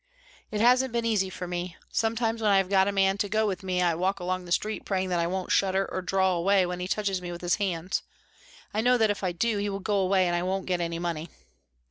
"It hasn't been easy for me. Sometimes when I have got a man to go with me I walk along the street praying that I won't shudder and draw away when he touches me with his hands. I know that if I do he will go away and I won't get any money.